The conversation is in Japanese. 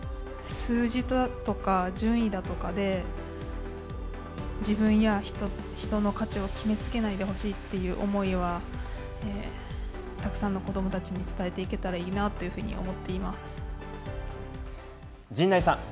数字だとか順位だとかで自分や人の価値を決めつけないでほしいっていう思いは、たくさんの子どもたちに伝えていけたらいいなって陣内さん。